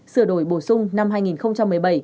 sửa đổi bổ sung năm hai nghìn một mươi bảy